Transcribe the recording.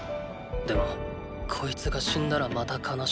でもこいつが死んだらまた悲しくなる。